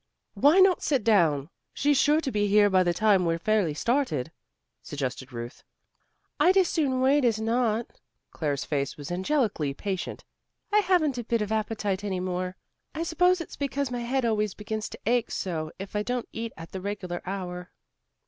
"Why not sit down? She's sure to be here by the time we're fairly started," suggested Ruth. "I'd as soon wait as not." Claire's face was angelically patient. "I haven't a bit of appetite any more. I suppose it's because my head always begins to ache so if I don't eat at the regular hour."